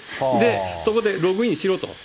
そこでログインしろと。